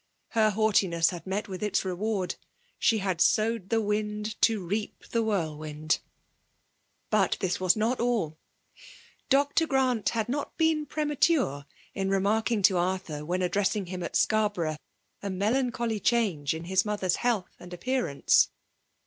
'Her houghtinees haA met with its reward. , She hid sowed the msA to reap the whirlwind I But this was not all* Dr. Grant had net been premature in remarking to Arthur^ when addressing him at SQarboiough» a melan<jfolj iihange in his mother's health and appeaorattce.